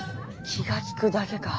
気が利くだけか。